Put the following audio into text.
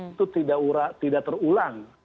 itu tidak terulang